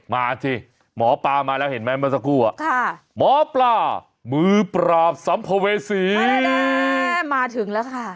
มาสิหมอปลามาแล้วเห็นไหมเมื่อสักครู่หมอปลามือปราบสัมภเวษีมาถึงแล้วค่ะ